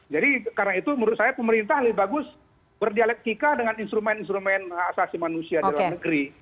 jadi karena itu menurut saya pemerintah lebih bagus berdialektika dengan instrumen instrumen hak azazi manusia dalam negeri